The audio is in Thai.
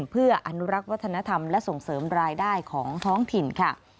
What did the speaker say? เพื่ออนุรักษ์วัฒนธรรมและส่งเสริมรายได้ของท้องถิ่นค่ะ